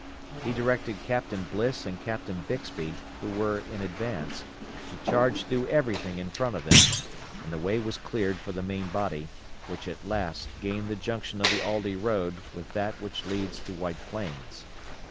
He directed Captain Bliss and Captain Bixby, who were in advance, to charge through everything in front of them, and the way was cleared for the main body, which at last gained the junction of the Aldie road with that which leads to White Plains.